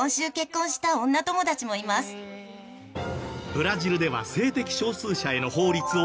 ブラジルでは性的少数者への法律を整備。